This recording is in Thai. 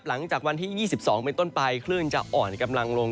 หลังจากวันที่๒๒เป็นต้นไปคลื่นจะอ่อนกำลังลง